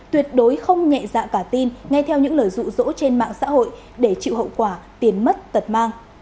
tuyệt đối không nhẹ dạ cả tin nghe theo những lời rụ rỗ trên mạng xã hội để chịu hậu quả tiền mất tật mang